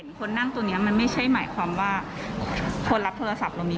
คนนั่งตัวนี้มันไม่ใช่หมายความว่าคนรับโทรศัพท์เรามี